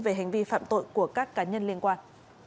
về hành vi phạm tội của các cá nhân liên quan